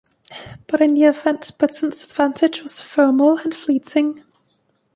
But in the event Britain's advantage was ephemeral and fleeting.